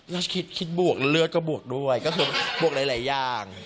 แล้วคิดบวกแล้วเลือดก็บวกด้วยก็คือบวกหลายอย่าง